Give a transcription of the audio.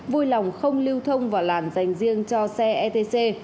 vui lòng không lưu thông vào làn dành riêng cho xe etc